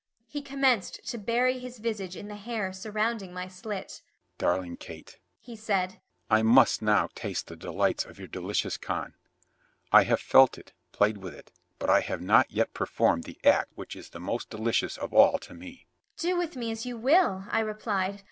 He commenced to bury his visage in the hair surrounding my slit. "Darling Kate," he said, "I must now taste the delights of your delicious con. I have felt it, played with it, but I have not yet performed the act which is the most delicious of all to me." "Do with me as you will," I replied.